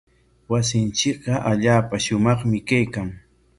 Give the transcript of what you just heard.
Wasinchikqa allaapa shumaqmi kaykan.